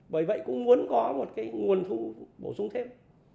bởi vậy cũng muốn có một cái nguồn thu bổ sung thêm